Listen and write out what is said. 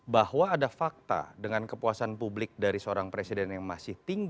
bahwa ada fakta dengan kepuasan publik dari seorang presiden yang masih tinggi